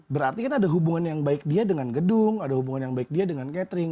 berarti kan ada hubungan yang baik dia dengan gedung ada hubungan yang baik dia dengan catering